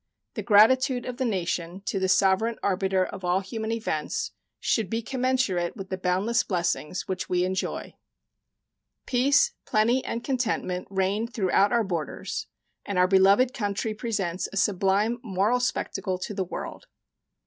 The gratitude of the nation to the Sovereign Arbiter of All Human Events should be commensurate with the boundless blessings which we enjoy. Peace, plenty, and contentment reign throughout our borders, and our beloved country presents a sublime moral spectacle to the world.